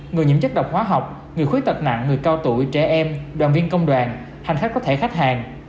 người nhiễm chất độc hóa học người khuyết tật nặng người cao tuổi trẻ em đoàn viên công đoàn hành khách có thẻ khách hàng